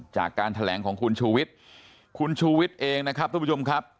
จากการแถลงของคุณชูวิทย์คุณชูวิทย์เองนะครับทุกผู้ชมครับ